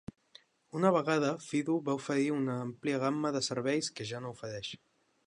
Una vegada, Fido va oferir una àmplia gamma de serveis que ja no ofereix.